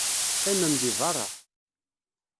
Qqimem deg beṛṛa.